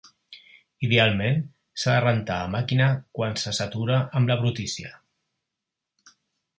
Idealment, s'ha de rentar a màquina quan se satura amb la brutícia.